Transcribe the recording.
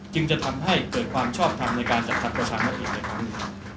จึงจะทำให้เกิดความชอบทำในการจัดทำประชามติในครั้งนี้